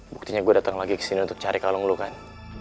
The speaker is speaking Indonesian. buktinya gue dateng lagi kesini untuk cari kalung lo kan